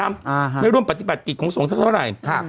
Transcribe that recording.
ไม่ได้ร่วมปฏิภัณฑ์กลิ่นของทรงแทบเท่าไหร่